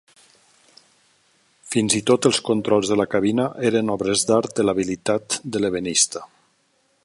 Fins i tot els controls de la cabina eren obres d'art de l'habilitat de l'ebenista.